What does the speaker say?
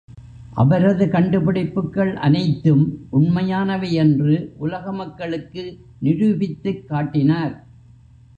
அவரது கண்டு பிடிப்புக்கள் அனைத்தும் உண்மையானவை என்று உலக மக்களுக்கு நிரூபித்துக் காட்டினார்!